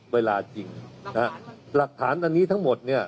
เวลาจริงหลักฐานอันนี้ทั้งหมด